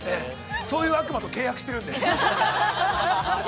◆そういう悪魔と契約してるんで。